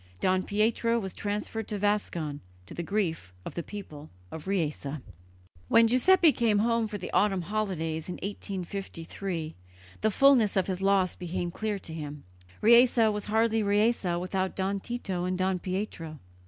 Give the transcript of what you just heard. Don Pietro was transferred to Vascon, to the grief of the people of Riese. When Giuseppe came home for the autumn holidays in 1853 the fullness of his loss became clear to him; Riese was hardly Riese without Don Tito and Don Pietro.